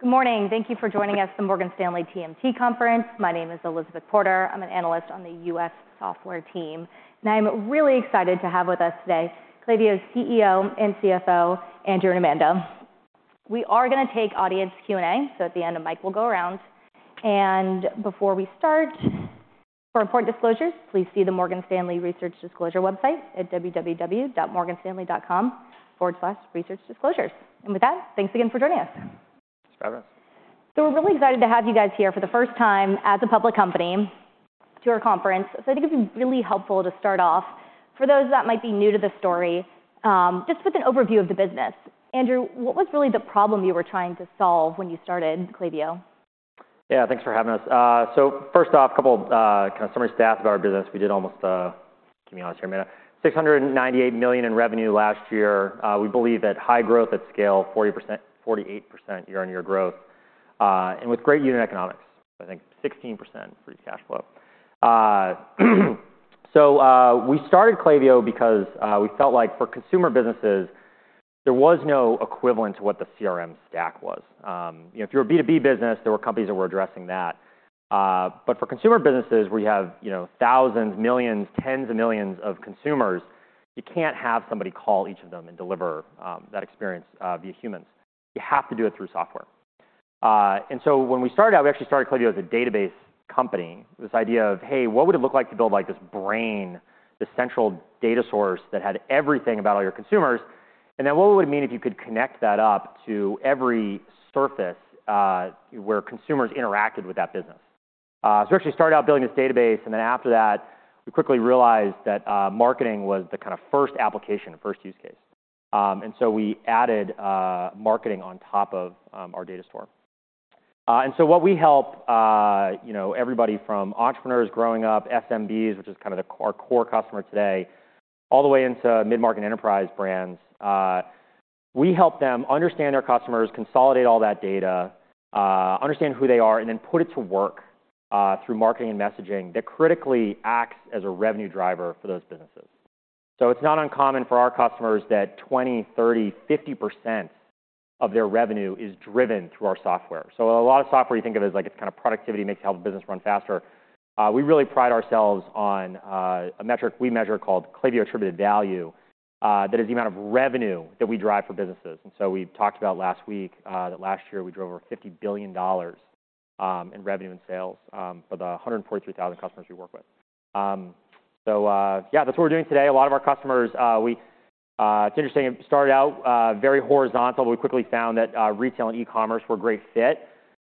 Good morning. Thank you for joining us at the Morgan Stanley TMT Conference. My name is Elizabeth Porter. I'm an analyst on the U.S. software team. I'm really excited to have with us today Klaviyo's CEO and CFO, Andrew and Amanda. We are going to take audience Q&A, so at the end, a mic will go around. Before we start, for important disclosures, please see the Morgan Stanley Research Disclosure website at www.morganstanley.com/researchdisclosures. With that, thanks again for joining us. Thanks for having us. So we're really excited to have you guys here for the first time as a public company to our conference. So I think it'd be really helpful to start off, for those that might be new to the story, just with an overview of the business. Andrew, what was really the problem you were trying to solve when you started Klaviyo? Yeah, thanks for having us. So first off, a couple kind of summary stats about our business. We did almost, keep me honest here, Amanda, $698 million in revenue last year. We believe at high growth at scale, 40%-48% year-on-year growth, and with great unit economics, I think 16% free cash flow. So we started Klaviyo because we felt like for consumer businesses, there was no equivalent to what the CRM stack was. If you're a B2B business, there were companies that were addressing that. But for consumer businesses, where you have thousands, millions, tens of millions of consumers, you can't have somebody call each of them and deliver that experience via humans. You have to do it through software. And so when we started out, we actually started Klaviyo as a database company, this idea of, hey, what would it look like to build this brain, this central data source that had everything about all your consumers? And then what would it mean if you could connect that up to every surface where consumers interacted with that business? So we actually started out building this database. And then after that, we quickly realized that marketing was the kind of first application, first use case. And so we added marketing on top of our data store. And so what we help everybody from entrepreneurs growing up, SMBs, which is kind of our core customer today, all the way into mid-market and enterprise brands, we help them understand their customers, consolidate all that data, understand who they are, and then put it to work through marketing and messaging that critically acts as a revenue driver for those businesses. So it's not uncommon for our customers that 20%, 30, 50% of their revenue is driven through our software. So a lot of software you think of as like it's kind of productivity makes the health of the business run faster. We really pride ourselves on a metric we measure called Klaviyo Attributed Value that is the amount of revenue that we drive for businesses. We talked about last week, that last year we drove over $50 billion in revenue and sales for the 143,000 customers we work with. So yeah, that's what we're doing today. A lot of our customers, it's interesting, it started out very horizontal, but we quickly found that retail and e-commerce were a great fit.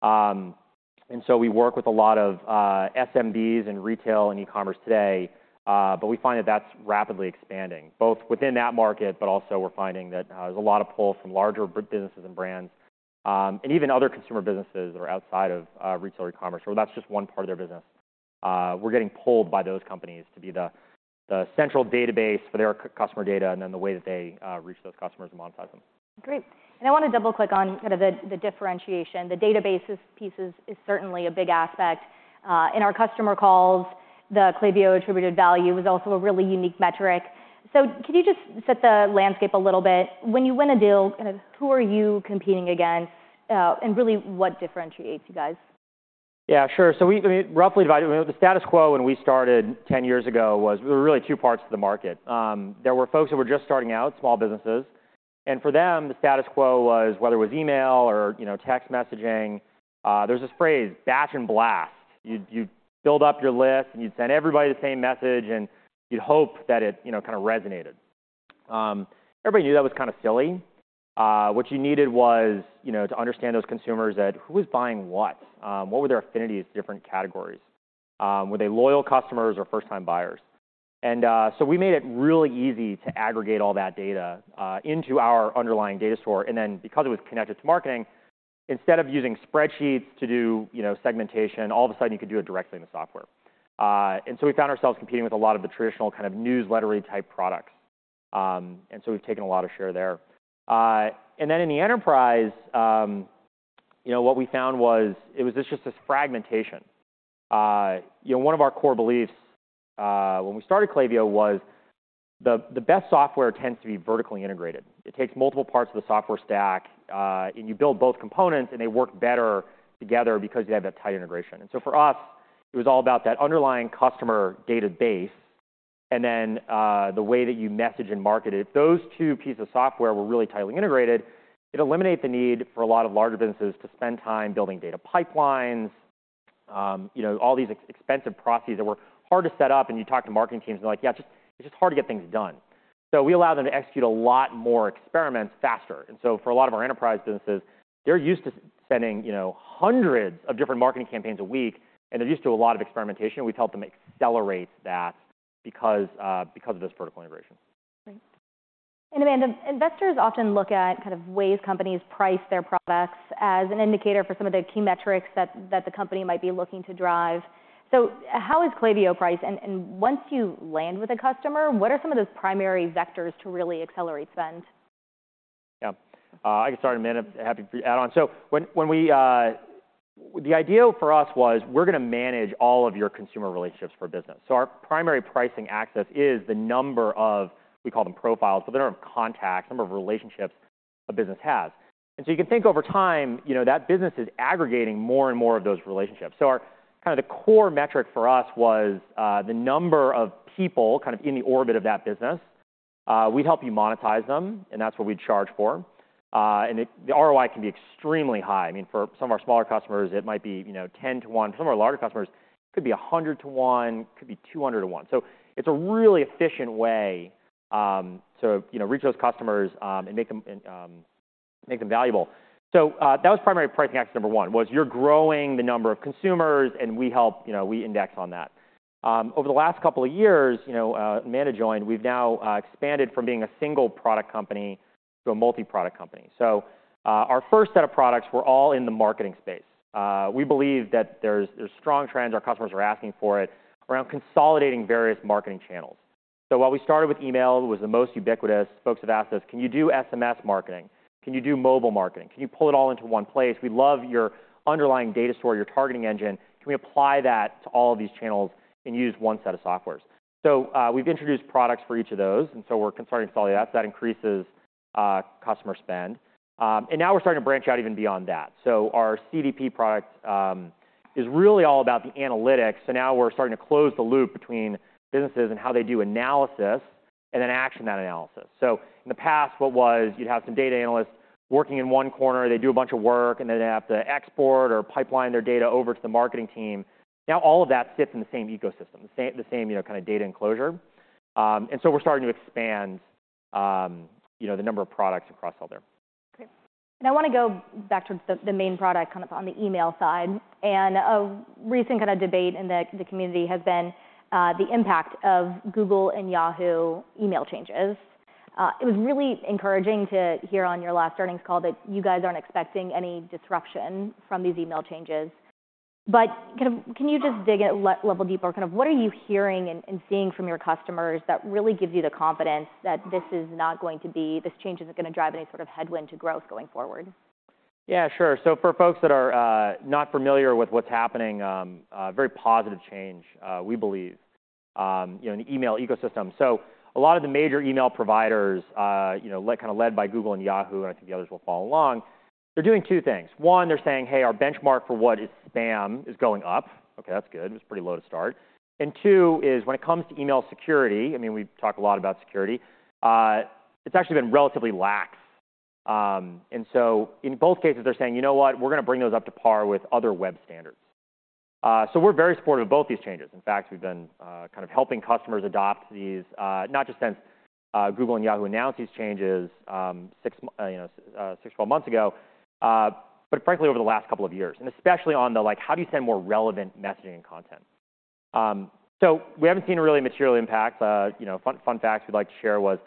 We work with a lot of SMBs and retail and e-commerce today. But we find that that's rapidly expanding, both within that market, but also we're finding that there's a lot of pull from larger businesses and brands, and even other consumer businesses that are outside of retail or e-commerce, or that's just one part of their business. We're getting pulled by those companies to be the central database for their customer data and then the way that they reach those customers and monetize them. Great. And I want to double-click on kind of the differentiation. The databases piece is certainly a big aspect. In our customer calls, the Klaviyo Attributed Value was also a really unique metric. So could you just set the landscape a little bit? When you win a deal, kind of who are you competing against? And really, what differentiates you guys? Yeah, sure. So roughly divided, the status quo when we started 10 years ago was there were really two parts to the market. There were folks that were just starting out, small businesses. And for them, the status quo was whether it was email or text messaging, there's this phrase, batch and blast. You'd build up your list, and you'd send everybody the same message, and you'd hope that it kind of resonated. Everybody knew that was kind of silly. What you needed was to understand those consumers at who was buying what, what were their affinities to different categories. Were they loyal customers or first-time buyers? And so we made it really easy to aggregate all that data into our underlying data store. And then because it was connected to marketing, instead of using spreadsheets to do segmentation, all of a sudden you could do it directly in the software. And so we found ourselves competing with a lot of the traditional kind of newslettery-type products. And so we've taken a lot of share there. And then in the enterprise, what we found was it was just this fragmentation. One of our core beliefs when we started Klaviyo was the best software tends to be vertically integrated. It takes multiple parts of the software stack, and you build both components, and they work better together because you have that tight integration. And so for us, it was all about that underlying customer database and then the way that you message and market it. If those two pieces of software were really tightly integrated, it eliminated the need for a lot of larger businesses to spend time building data pipelines, all these expensive processes that were hard to set up. And you'd talk to marketing teams, and they're like, yeah, it's just hard to get things done. So we allow them to execute a lot more experiments faster. And so for a lot of our enterprise businesses, they're used to sending hundreds of different marketing campaigns a week, and they're used to a lot of experimentation. And we've helped them accelerate that because of this vertical integration. Great. And Amanda, investors often look at kind of ways companies price their products as an indicator for some of the key metrics that the company might be looking to drive. So how is Klaviyo priced? And once you land with a customer, what are some of those primary vectors to really accelerate spend? Yeah. I can start in a minute. Happy to add on. So the idea for us was we're going to manage all of your consumer relationships for a business. So our primary pricing axis is the number of we call them profiles, but the number of contacts, number of relationships a business has. And so you can think over time, that business is aggregating more and more of those relationships. So kind of the core metric for us was the number of people kind of in the orbit of that business. We'd help you monetize them, and that's what we'd charge for. And the ROI can be extremely high. I mean, for some of our smaller customers, it might be 10 to 1. For some of our larger customers, it could be 100 to 1, could be 200 to 1. So it's a really efficient way to reach those customers and make them valuable. So that was primary pricing access number one, was you're growing the number of consumers, and we help we index on that. Over the last couple of years, Amanda joined, we've now expanded from being a single product company to a multi-product company. So our first set of products were all in the marketing space. We believe that there's strong trends. Our customers are asking for it around consolidating various marketing channels. So while we started with email was the most ubiquitous, folks have asked us, can you do SMS marketing? Can you do mobile marketing? Can you pull it all into one place? We love your underlying data store, your targeting engine. Can we apply that to all of these channels and use one set of softwares? So we've introduced products for each of those. We're starting to solve that. That increases customer spend. Now we're starting to branch out even beyond that. Our CDP product is really all about the analytics. Now we're starting to close the loop between businesses and how they do analysis and then action that analysis. In the past, what was you'd have some data analysts working in one corner. They do a bunch of work, and then they have to export or pipeline their data over to the marketing team. Now all of that sits in the same ecosystem, the same kind of data enclosure. We're starting to expand the number of products across all there. Great. And I want to go back towards the main product kind of on the email side. And a recent kind of debate in the community has been the impact of Google and Yahoo email changes. It was really encouraging to hear on your last earnings call that you guys aren't expecting any disruption from these email changes. But kind of, can you just dig it a level deeper? Kind of, what are you hearing and seeing from your customers that really gives you the confidence that this is not going to be this change isn't going to drive any sort of headwind to growth going forward? Yeah, sure. So for folks that are not familiar with what's happening, very positive change, we believe, in the email ecosystem. So a lot of the major email providers, kind of led by Google and Yahoo, and I think the others will follow along, they're doing two things. One, they're saying, hey, our benchmark for what is spam is going up. OK, that's good. It was pretty low to start. And two is when it comes to email security, I mean, we talk a lot about security, it's actually been relatively lax. And so in both cases, they're saying, you know what? We're going to bring those up to par with other web standards. So we're very supportive of both these changes. In fact, we've been kind of helping customers adopt these not just since Google and Yahoo announced these changes six, 12 months ago, but frankly, over the last couple of years, and especially on the how do you send more relevant messaging and content? So we haven't seen a really material impact. Fun facts we'd like to share was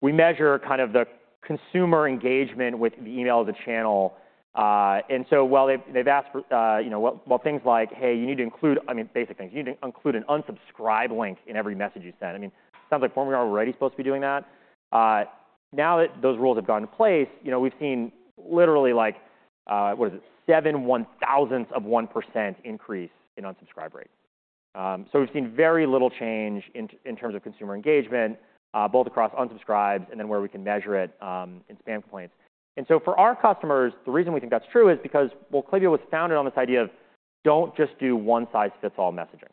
we measure kind of the consumer engagement with the email as a channel. And so while they've asked while things like, hey, you need to include I mean, basic things, you need to include an unsubscribe link in every message you send. I mean, it sounds like formally we're already supposed to be doing that. Now that those rules have gotten in place, we've seen literally like, what is it, 0.007% increase in unsubscribe rate. So we've seen very little change in terms of consumer engagement, both across unsubscribes and then where we can measure it in spam complaints. And so for our customers, the reason we think that's true is because, well, Klaviyo was founded on this idea of don't just do one-size-fits-all messaging.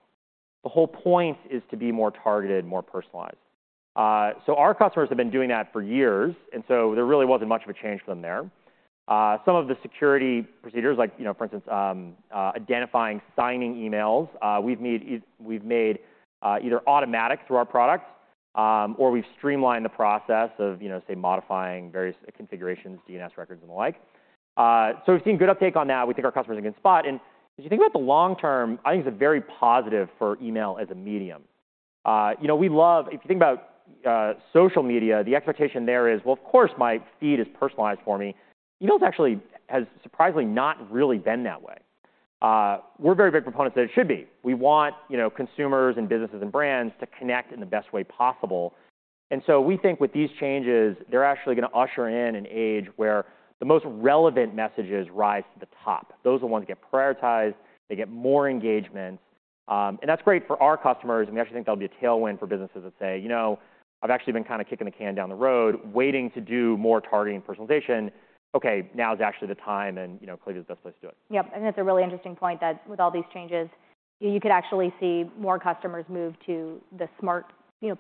The whole point is to be more targeted, more personalized. So our customers have been doing that for years. And so there really wasn't much of a change for them there. Some of the security procedures, like for instance, identifying signing emails, we've made either automatic through our product, or we've streamlined the process of, say, modifying various configurations, DNS records, and the like. So we've seen good uptake on that. We think our customers are going to spot. And as you think about the long term, I think it's very positive for email as a medium. We love, if you think about social media, the expectation there is, well, of course, my feed is personalized for me. Email actually has surprisingly not really been that way. We're very big proponents that it should be. We want consumers and businesses and brands to connect in the best way possible. And so we think with these changes, they're actually going to usher in an age where the most relevant messages rise to the top. Those are the ones that get prioritized. They get more engagements. And that's great for our customers. And we actually think that'll be a tailwind for businesses that say, you know, I've actually been kind of kicking the can down the road, waiting to do more targeting and personalization. OK, now is actually the time, and Klaviyo is the best place to do it. Yep. And that's a really interesting point that with all these changes, you could actually see more customers move to the smart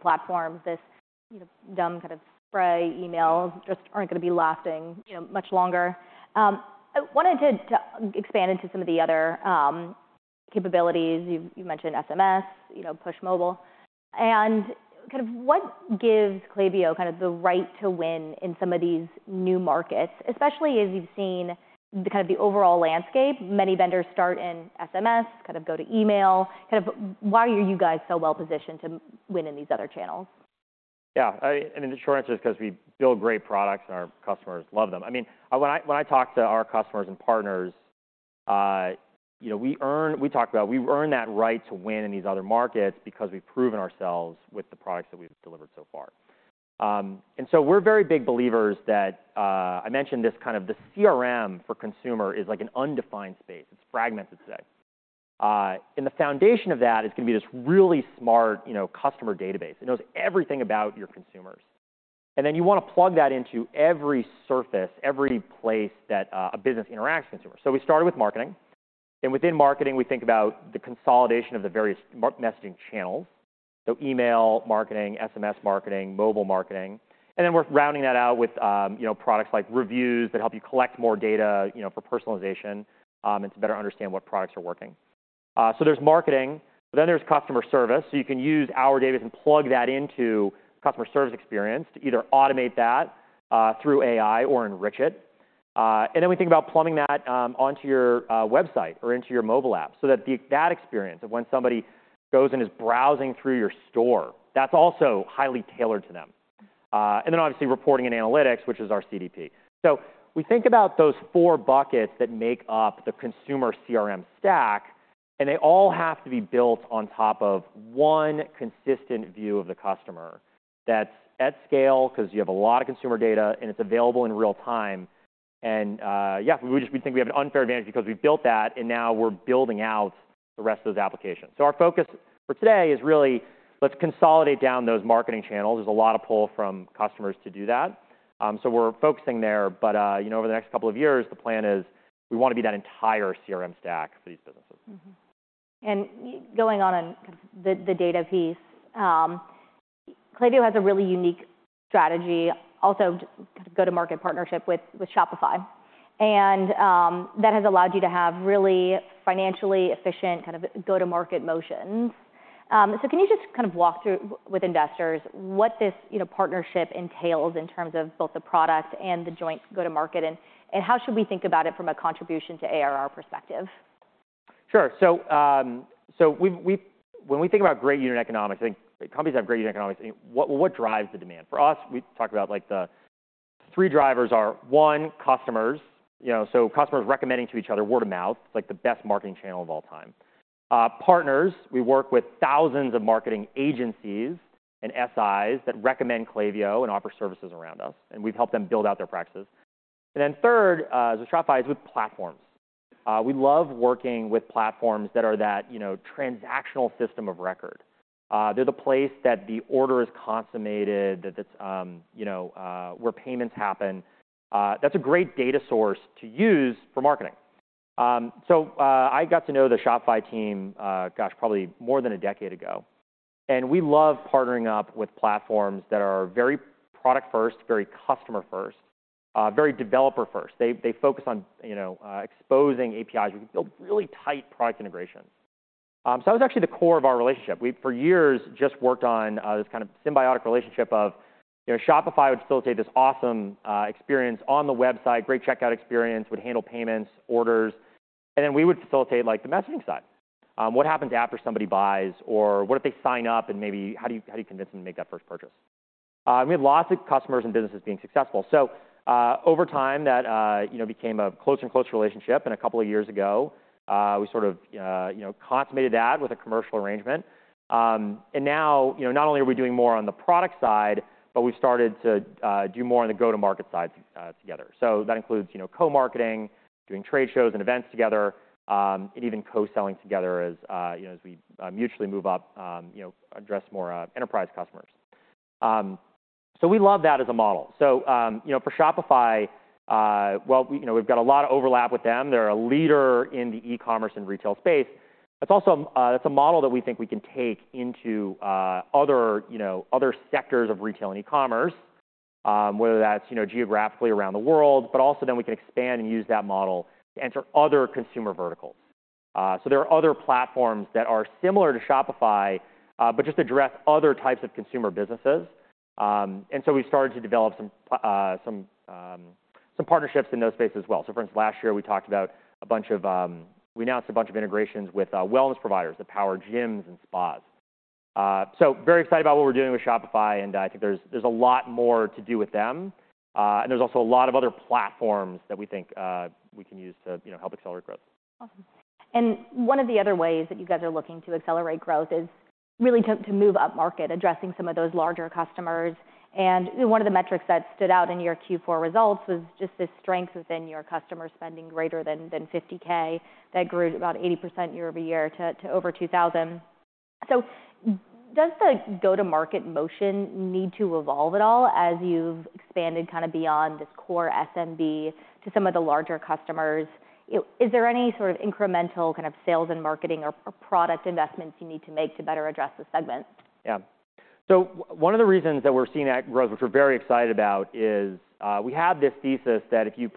platforms. This dumb kind of spray emails just aren't going to be lasting much longer. I wanted to expand into some of the other capabilities. You've mentioned SMS, push mobile. And kind of what gives Klaviyo kind of the right to win in some of these new markets, especially as you've seen kind of the overall landscape? Many vendors start in SMS, kind of go to email. Kind of why are you guys so well positioned to win in these other channels? Yeah. I mean, the short answer is because we build great products, and our customers love them. I mean, when I talk to our customers and partners, we talk about we earn that right to win in these other markets because we've proven ourselves with the products that we've delivered so far. And so we're very big believers that I mentioned this kind of the CRM for consumer is like an undefined space. It's fragmented, say. And the foundation of that is going to be this really smart customer database. It knows everything about your consumers. And then you want to plug that into every surface, every place that a business interacts with consumers. So we started with marketing. And within marketing, we think about the consolidation of the various messaging channels, so email, marketing, SMS marketing, mobile marketing. And then we're rounding that out with products like Reviews that help you collect more data for personalization and to better understand what products are working. So there's marketing. But then there's customer service. So you can use our database and plug that into customer service experience to either automate that through AI or enrich it. And then we think about plumbing that onto your website or into your mobile app so that that experience of when somebody goes and is browsing through your store, that's also highly tailored to them. And then obviously, reporting and analytics, which is our CDP. So we think about those four buckets that make up the consumer CRM stack. And they all have to be built on top of one consistent view of the customer that's at scale because you have a lot of consumer data, and it's available in real time. Yeah, we just think we have an unfair advantage because we built that, and now we're building out the rest of those applications. Our focus for today is really, let's consolidate down those marketing channels. There's a lot of pull from customers to do that. We're focusing there. Over the next couple of years, the plan is we want to be that entire CRM stack for these businesses. Going on the data piece, Klaviyo has a really unique strategy, also kind of go-to-market partnership with Shopify. That has allowed you to have really financially efficient kind of go-to-market motions. Can you just kind of walk through with investors what this partnership entails in terms of both the product and the joint go-to-market? How should we think about it from a contribution to ARR perspective? Sure. So when we think about great unit economics, I think companies have great unit economics. What drives the demand? For us, we talk about the three drivers are one, customers, so customers recommending to each other word of mouth. It's like the best marketing channel of all time. Partners, we work with thousands of marketing agencies and SIs that recommend Klaviyo and offer services around us. And we've helped them build out their practices. And then third, as with Shopify, is with platforms. We love working with platforms that are that transactional system of record. They're the place that the order is consummated, where payments happen. That's a great data source to use for marketing. So I got to know the Shopify team, gosh, probably more than a decade ago. And we love partnering up with platforms that are very product-first, very customer-first, very developer-first. They focus on exposing APIs. We can build really tight product integrations. So that was actually the core of our relationship. We, for years, just worked on this kind of symbiotic relationship of Shopify would facilitate this awesome experience on the website, great checkout experience, would handle payments, orders. And then we would facilitate the messaging side. What happens after somebody buys? Or what if they sign up? And maybe how do you convince them to make that first purchase? We had lots of customers and businesses being successful. So over time, that became a closer and closer relationship. And a couple of years ago, we sort of consummated that with a commercial arrangement. And now not only are we doing more on the product side, but we've started to do more on the go-to-market side together. So that includes co-marketing, doing trade shows and events together, and even co-selling together as we mutually move up, address more enterprise customers. So we love that as a model. So for Shopify, well, we've got a lot of overlap with them. They're a leader in the e-commerce and retail space. That's also a model that we think we can take into other sectors of retail and e-commerce, whether that's geographically around the world. But also then we can expand and use that model to enter other consumer verticals. So there are other platforms that are similar to Shopify but just address other types of consumer businesses. And so we've started to develop some partnerships in those spaces as well. So for instance, last year, we announced a bunch of integrations with wellness providers that power gyms and spas. Very excited about what we're doing with Shopify. I think there's a lot more to do with them. There's also a lot of other platforms that we think we can use to help accelerate growth. Awesome. One of the other ways that you guys are looking to accelerate growth is really to move upmarket, addressing some of those larger customers. One of the metrics that stood out in your Q4 results was just this strength within your customer spending greater than $50K that grew about 80% year-over-year to over $2,000. Does the go-to-market motion need to evolve at all as you've expanded kind of beyond this core SMB to some of the larger customers? Is there any sort of incremental kind of sales and marketing or product investments you need to make to better address the segment? Yeah. So one of the reasons that we're seeing that growth, which we're very excited about, is we have this thesis that if you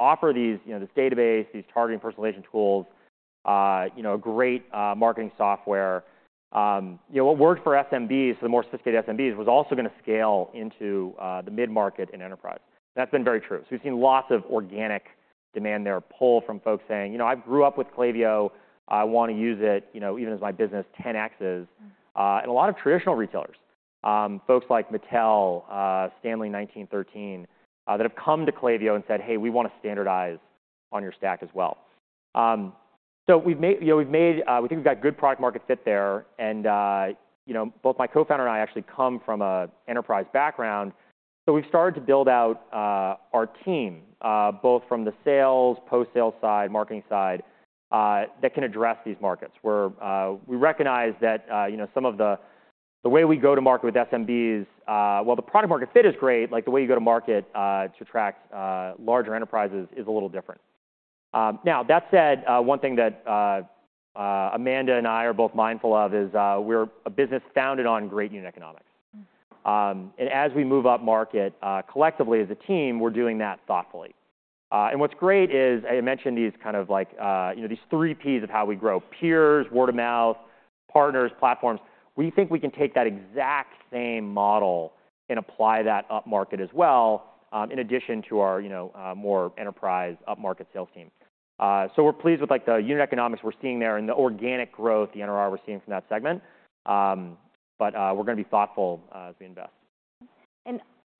offer this database, these targeting personalization tools, a great marketing software, what worked for SMBs, for the more sophisticated SMBs, was also going to scale into the mid-market and enterprise. And that's been very true. So we've seen lots of organic demand there, pull from folks saying, you know, I grew up with Klaviyo. I want to use it even as my business 10x's. And a lot of traditional retailers, folks like Mattel, Stanley 1913, that have come to Klaviyo and said, hey, we want to standardize on your stack as well. So we've made we think we've got good product-market fit there. And both my co-founder and I actually come from an enterprise background. So we've started to build out our team, both from the sales, post-sales side, marketing side, that can address these markets. We recognize that some of the way we go to market with SMBs, while the product-market fit is great, like the way you go to market to attract larger enterprises is a little different. Now, that said, one thing that Amanda and I are both mindful of is we're a business founded on great unit economics. And as we move up market collectively as a team, we're doing that thoughtfully. And what's great is, I mentioned these kind of like these three P's of how we grow: peers, word of mouth, partners, platforms. We think we can take that exact same model and apply that up market as well, in addition to our more enterprise up market sales team. We're pleased with the unit economics we're seeing there and the organic growth, the NRR, we're seeing from that segment. We're going to be thoughtful as we invest.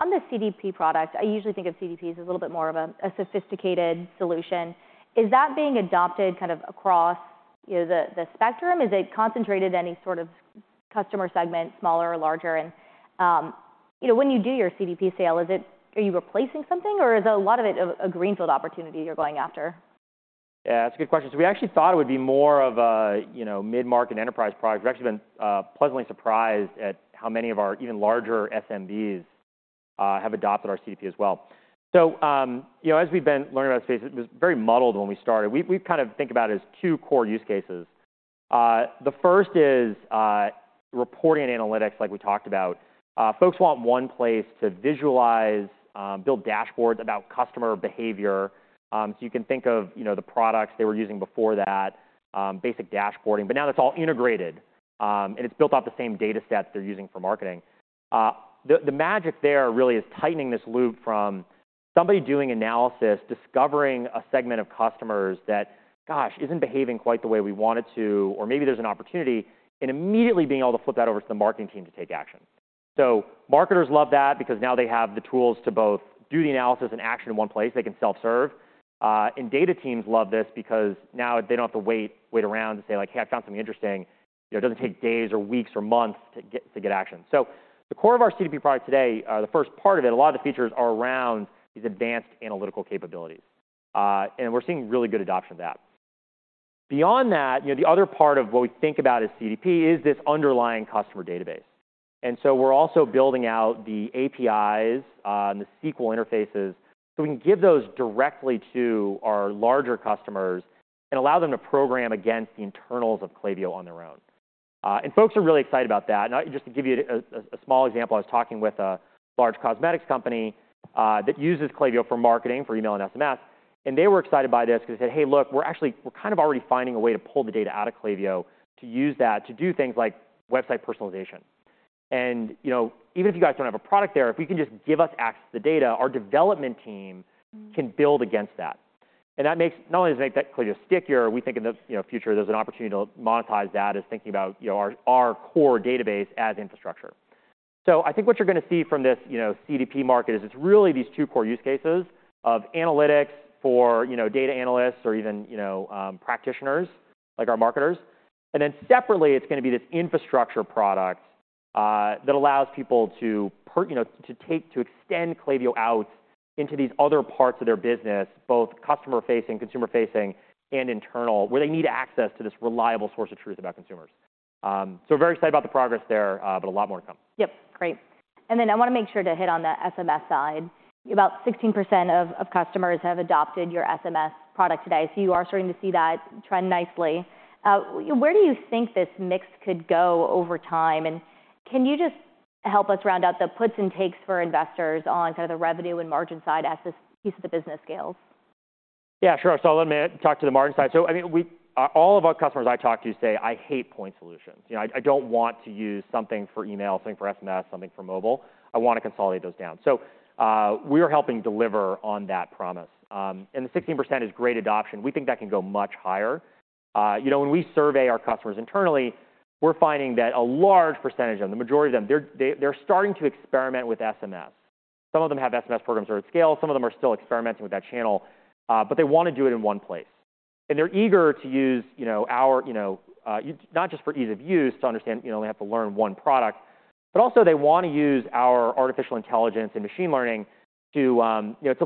On the CDP product, I usually think of CDPs as a little bit more of a sophisticated solution. Is that being adopted kind of across the spectrum? Is it concentrated in any sort of customer segment, smaller or larger? When you do your CDP sale, are you replacing something? Or is a lot of it a greenfield opportunity you're going after? Yeah, that's a good question. So we actually thought it would be more of a mid-market enterprise product. We've actually been pleasantly surprised at how many of our even larger SMBs have adopted our CDP as well. So as we've been learning about this space, it was very muddled when we started. We kind of think about it as two core use cases. The first is reporting and analytics, like we talked about. Folks want one place to visualize, build dashboards about customer behavior. So you can think of the products they were using before that, basic dashboarding. But now that's all integrated. And it's built off the same data set that they're using for marketing. The magic there really is tightening this loop from somebody doing analysis, discovering a segment of customers that, gosh, isn't behaving quite the way we want it to, or maybe there's an opportunity, and immediately being able to flip that over to the marketing team to take action. So marketers love that because now they have the tools to both do the analysis and action in one place. They can self-serve. And data teams love this because now they don't have to wait around to say, like, hey, I found something interesting. It doesn't take days or weeks or months to get action. So the core of our CDP product today, the first part of it, a lot of the features are around these advanced analytical capabilities. And we're seeing really good adoption of that. Beyond that, the other part of what we think about as CDP is this underlying customer database. And so we're also building out the APIs and the SQL interfaces so we can give those directly to our larger customers and allow them to program against the internals of Klaviyo on their own. And folks are really excited about that. And just to give you a small example, I was talking with a large cosmetics company that uses Klaviyo for marketing, for email and SMS. And they were excited by this because they said, hey, look, we're actually kind of already finding a way to pull the data out of Klaviyo to use that to do things like website personalization. And even if you guys don't have a product there, if we can just give us access to the data, our development team can build against that. And not only does it make that Klaviyo stickier, we think in the future there's an opportunity to monetize that as thinking about our core database as infrastructure. So I think what you're going to see from this CDP market is it's really these two core use cases of analytics for data analysts or even practitioners, like our marketers. And then separately, it's going to be this infrastructure product that allows people to extend Klaviyo out into these other parts of their business, both customer-facing, consumer-facing, and internal, where they need access to this reliable source of truth about consumers. So we're very excited about the progress there, but a lot more to come. Yep, great. And then I want to make sure to hit on the SMS side. About 16% of customers have adopted your SMS product today. So you are starting to see that trend nicely. Where do you think this mix could go over time? And can you just help us round out the puts and takes for investors on kind of the revenue and margin side as this piece of the business scales? Yeah, sure. So let me talk to the margin side. So I mean, all of our customers I talk to say, I hate point solutions. I don't want to use something for email, something for SMS, something for mobile. I want to consolidate those down. So we are helping deliver on that promise. And the 16% is great adoption. We think that can go much higher. When we survey our customers internally, we're finding that a large percentage of them, the majority of them, they're starting to experiment with SMS. Some of them have SMS programs already at scale. Some of them are still experimenting with that channel. But they want to do it in one place. And they're eager to use our not just for ease of use to understand they only have to learn one product. But also, they want to use our artificial intelligence and machine learning to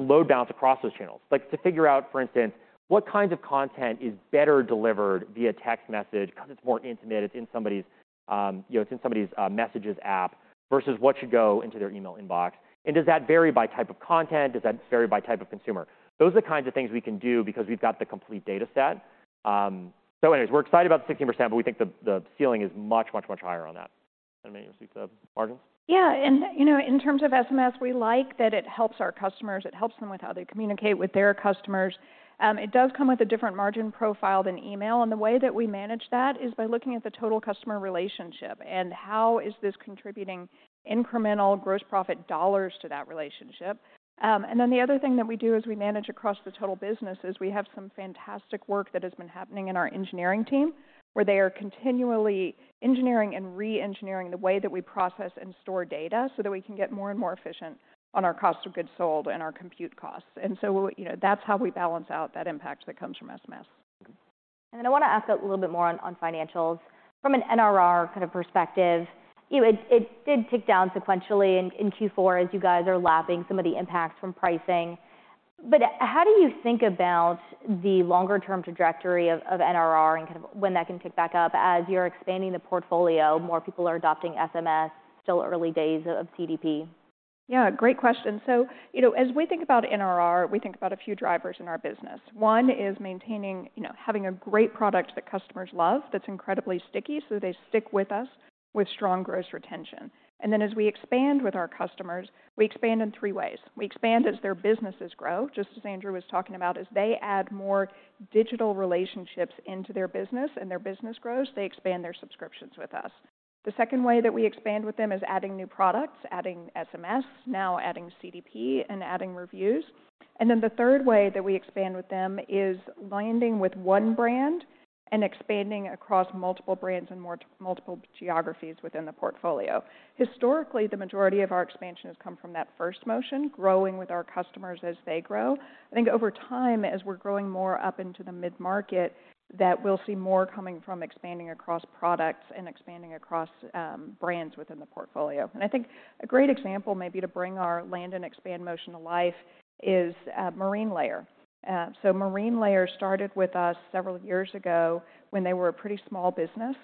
load balance across those channels, to figure out, for instance, what kinds of content is better delivered via text message because it's more intimate, it's in somebody's messages app versus what should go into their email inbox. And does that vary by type of content? Does that vary by type of consumer? Those are the kinds of things we can do because we've got the complete data set. So anyways, we're excited about the 16%. But we think the ceiling is much, much, much higher on that. Does that make any sense to the margins? Yeah. In terms of SMS, we like that it helps our customers. It helps them with how they communicate with their customers. It does come with a different margin profile than email. The way that we manage that is by looking at the total customer relationship and how is this contributing incremental gross profit dollars to that relationship. Then the other thing that we do as we manage across the total business is we have some fantastic work that has been happening in our engineering team, where they are continually engineering and re-engineering the way that we process and store data so that we can get more and more efficient on our cost of goods sold and our compute costs. So that's how we balance out that impact that comes from SMS. Then I want to ask a little bit more on financials. From an NRR kind of perspective, it did tick down sequentially in Q4 as you guys are lapping some of the impacts from pricing. But how do you think about the longer-term trajectory of NRR and kind of when that can tick back up as you're expanding the portfolio, more people are adopting SMS, still early days of CDP? Yeah, great question. So as we think about NRR, we think about a few drivers in our business. One is maintaining having a great product that customers love that's incredibly sticky so that they stick with us with strong gross retention. And then as we expand with our customers, we expand in three ways. We expand as their businesses grow, just as Andrew was talking about. As they add more digital relationships into their business and their business grows, they expand their subscriptions with us. The second way that we expand with them is adding new products, adding SMS, now adding CDP, and adding reviews. And then the third way that we expand with them is landing with one brand and expanding across multiple brands and multiple geographies within the portfolio. Historically, the majority of our expansion has come from that first motion, growing with our customers as they grow. I think over time, as we're growing more up into the mid-market, that we'll see more coming from expanding across products and expanding across brands within the portfolio. And I think a great example maybe to bring our land and expand motion to life is Marine Layer. So Marine Layer started with us several years ago when they were a pretty small business.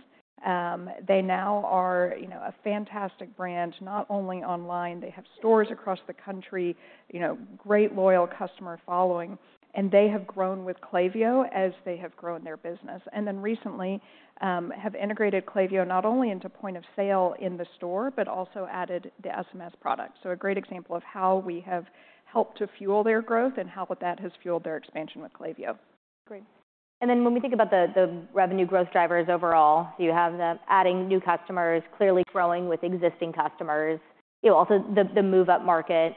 They now are a fantastic brand, not only online. They have stores across the country, great loyal customer following. And they have grown with Klaviyo as they have grown their business. And then recently, have integrated Klaviyo not only into point of sale in the store but also added the SMS product. So a great example of how we have helped to fuel their growth and how that has fueled their expansion with Klaviyo. Great. And then when we think about the revenue growth drivers overall, so you have the adding new customers, clearly growing with existing customers, also the move up market.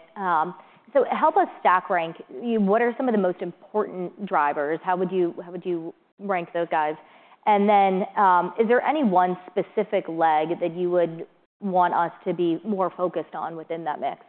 So help us stack rank. What are some of the most important drivers? How would you rank those guys? And then is there any one specific leg that you would want us to be more focused on within that mix?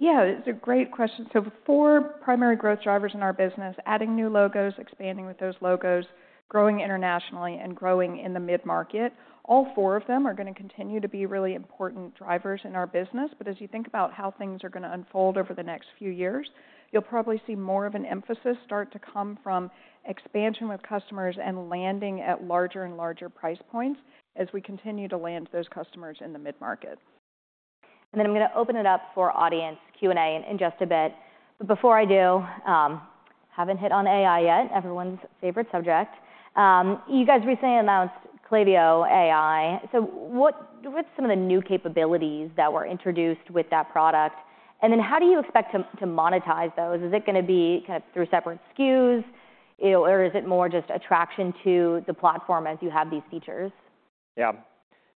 Yeah, it's a great question. So four primary growth drivers in our business: adding new logos, expanding with those logos, growing internationally, and growing in the mid-market. All four of them are going to continue to be really important drivers in our business. But as you think about how things are going to unfold over the next few years, you'll probably see more of an emphasis start to come from expansion with customers and landing at larger and larger price points as we continue to land those customers in the mid-market. And then I'm going to open it up for audience Q&A in just a bit. But before I do, haven't hit on AI yet, everyone's favorite subject. You guys recently announced Klaviyo AI. So what's some of the new capabilities that were introduced with that product? And then how do you expect to monetize those? Is it going to be kind of through separate SKUs? Or is it more just attraction to the platform as you have these features? Yeah.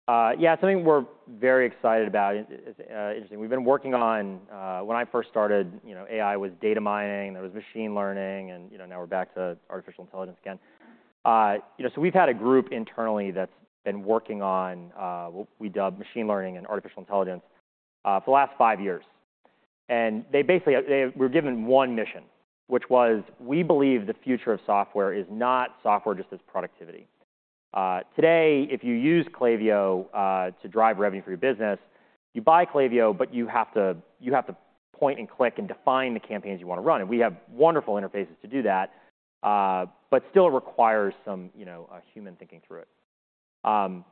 Yeah, something we're very excited about is interesting. We've been working on when I first started, AI was data mining. There was machine learning. And now we're back to artificial intelligence again. So we've had a group internally that's been working on what we dub machine learning and artificial intelligence for the last five years. And we were given one mission, which was we believe the future of software is not software just as productivity. Today, if you use Klaviyo to drive revenue for your business, you buy Klaviyo. But you have to point and click and define the campaigns you want to run. And we have wonderful interfaces to do that. But still, it requires some human thinking through it.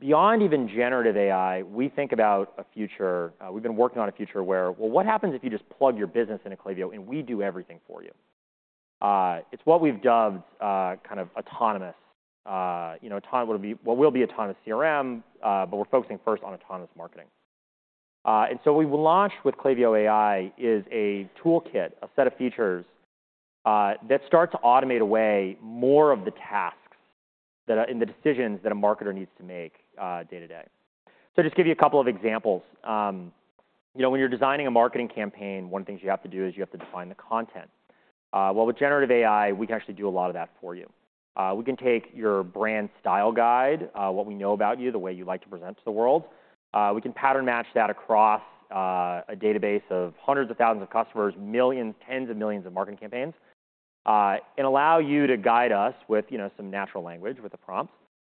Beyond even generative AI, we think about a future we've been working on where, well, what happens if you just plug your business into Klaviyo and we do everything for you? It's what we've dubbed kind of autonomous. What will be autonomous CRM. But we're focusing first on autonomous marketing. And so what we will launch with Klaviyo AI is a toolkit, a set of features that start to automate away more of the tasks and the decisions that a marketer needs to make day to day. So just to give you a couple of examples, when you're designing a marketing campaign, one of the things you have to do is you have to define the content. Well, with generative AI, we can actually do a lot of that for you. We can take your brand style guide, what we know about you, the way you like to present to the world. We can pattern match that across a database of hundreds of thousands of customers, millions, tens of millions of marketing campaigns, and allow you to guide us with some natural language, with a prompt,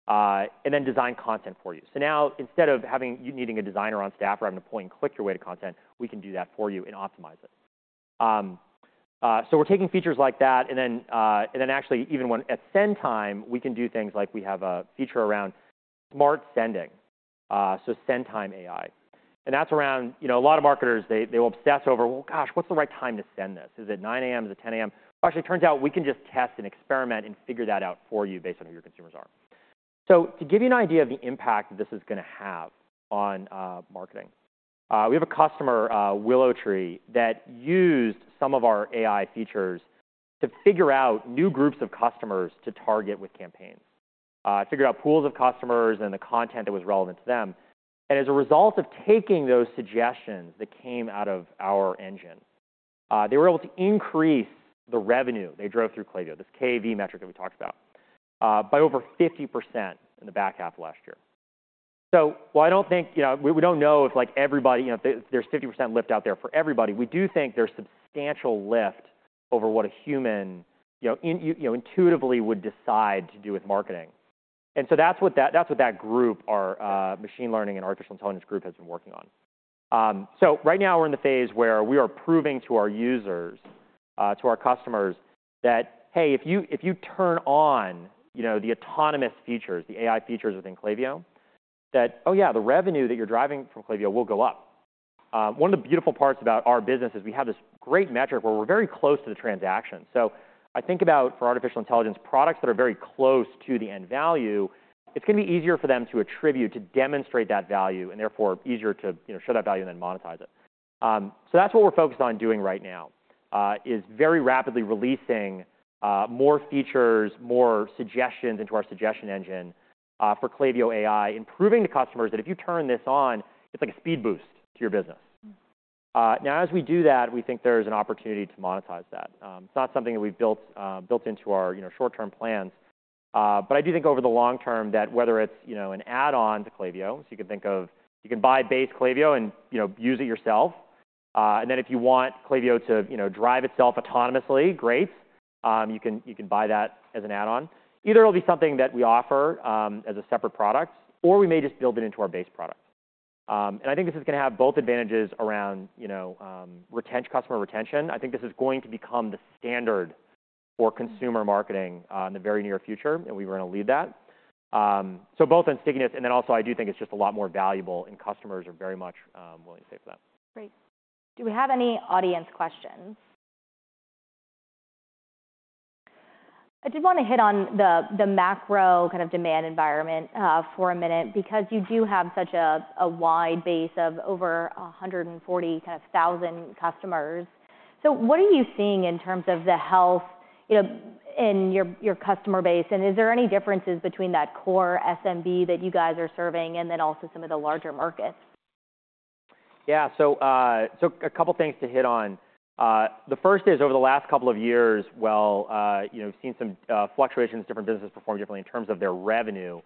and then design content for you. So now, instead of needing a designer on staff or having to point and click your way to content, we can do that for you and optimize it. So we're taking features like that. And then actually, even at send time, we can do things like we have a feature around Smart Sending, so send time AI. And that's around a lot of marketers, they will obsess over, well, gosh, what's the right time to send this? Is it 9:00 A.M.? Is it 10:00 A.M.? Well, actually, it turns out we can just test and experiment and figure that out for you based on who your consumers are. So to give you an idea of the impact this is going to have on marketing, we have a customer, Willow Tree, that used some of our AI features to figure out new groups of customers to target with campaigns. It figured out pools of customers and the content that was relevant to them. And as a result of taking those suggestions that came out of our engine, they were able to increase the revenue they drove through Klaviyo, this KAV metric that we talked about, by over 50% in the back half of last year. So while I don't think we don't know if everybody there's 50% lift out there for everybody, we do think there's substantial lift over what a human intuitively would decide to do with marketing. And so that's what that group, our machine learning and artificial intelligence group, has been working on. So right now, we're in the phase where we are proving to our users, to our customers, that, hey, if you turn on the autonomous features, the AI features within Klaviyo, that, oh, yeah, the revenue that you're driving from Klaviyo will go up. One of the beautiful parts about our business is we have this great metric where we're very close to the transaction. So I think about, for artificial intelligence, products that are very close to the end value, it's going to be easier for them to attribute, to demonstrate that value, and therefore easier to show that value and then monetize it. So that's what we're focused on doing right now, is very rapidly releasing more features, more suggestions into our suggestion engine for Klaviyo AI, improving to customers that if you turn this on, it's like a speed boost to your business. Now, as we do that, we think there's an opportunity to monetize that. It's not something that we've built into our short-term plans. But I do think over the long term that whether it's an add-on to Klaviyo so you can think of you can buy base Klaviyo and use it yourself. And then if you want Klaviyo to drive itself autonomously, great. You can buy that as an add-on. Either it'll be something that we offer as a separate product, or we may just build it into our base product. I think this is going to have both advantages around customer retention. I think this is going to become the standard for consumer marketing in the very near future. We were going to lead that. So both on stickiness. Then also, I do think it's just a lot more valuable. Customers are very much willing to pay for that. Great. Do we have any audience questions? I did want to hit on the macro kind of demand environment for a minute because you do have such a wide base of over 140,000 kind of customers. So what are you seeing in terms of the health in your customer base? And is there any differences between that core SMB that you guys are serving and then also some of the larger markets? Yeah, so a couple of things to hit on. The first is, over the last couple of years, well, we've seen some fluctuations. Different businesses perform differently in terms of their revenue.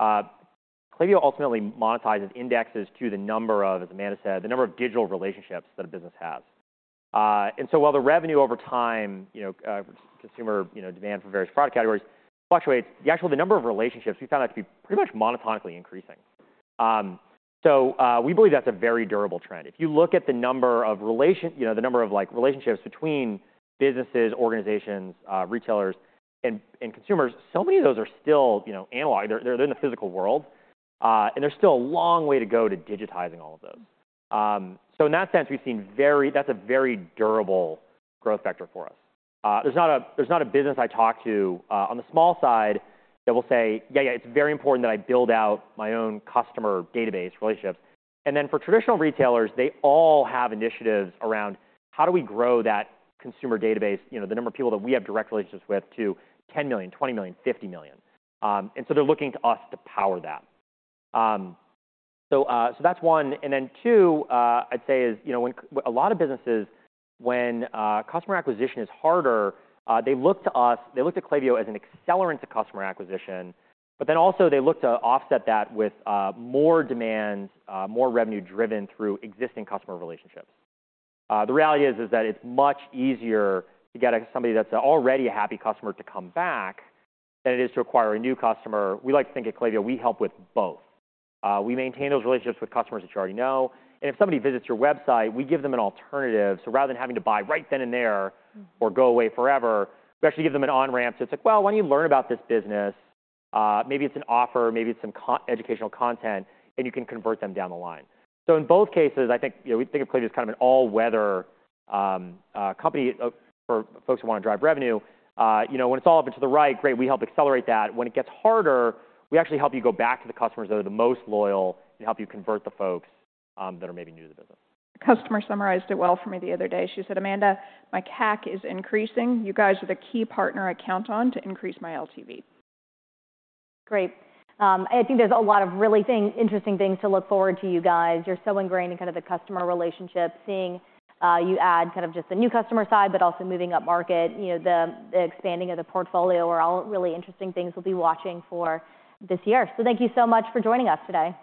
Klaviyo ultimately monetizes indexes to the number of, as Amanda said, the number of digital relationships that a business has. And so while the revenue over time, consumer demand for various product categories, fluctuates, actually, the number of relationships, we found that to be pretty much monotonically increasing. So we believe that's a very durable trend. If you look at the number of relationships between businesses, organizations, retailers, and consumers, so many of those are still analog. They're in the physical world. And there's still a long way to go to digitizing all of those. So in that sense, we've seen that's a very durable growth vector for us. There's not a business I talk to on the small side that will say, yeah, yeah, it's very important that I build out my own customer database relationships. And then for traditional retailers, they all have initiatives around how do we grow that consumer database, the number of people that we have direct relationships with, to 10 million, 20 million, 50 million. And so they're looking to us to power that. So that's one. And then two, I'd say, is a lot of businesses, when customer acquisition is harder, they look to us they look to Klaviyo as an accelerant to customer acquisition. But then also, they look to offset that with more demands, more revenue driven through existing customer relationships. The reality is that it's much easier to get somebody that's already a happy customer to come back than it is to acquire a new customer. We like to think at Klaviyo, we help with both. We maintain those relationships with customers that you already know. If somebody visits your website, we give them an alternative. Rather than having to buy right then and there or go away forever, we actually give them an on-ramp. It's like, well, why don't you learn about this business? Maybe it's an offer. Maybe it's some educational content. You can convert them down the line. In both cases, I think we think of Klaviyo as kind of an all-weather company for folks who want to drive revenue. When it's all up and to the right, great. We help accelerate that. When it gets harder, we actually help you go back to the customers that are the most loyal and help you convert the folks that are maybe new to the business. A customer summarized it well for me the other day. She said, "Amanda, my CAC is increasing. You guys are the key partner I count on to increase my LTV. Great. I think there's a lot of really interesting things to look forward to, you guys. You're so ingrained in kind of the customer relationship, seeing you add kind of just the new customer side but also moving up market, the expanding of the portfolio are all really interesting things we'll be watching for this year. Thank you so much for joining us today.